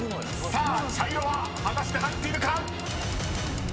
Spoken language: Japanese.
［さあ茶色は果たして入っているか⁉］